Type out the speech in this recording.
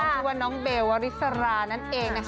ชื่อน้องเปลวาริสรานั้นเองนะ